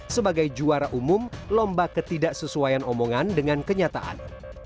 sebagai juara umum lomba ketidaksesuaian omongan dengan kenyataan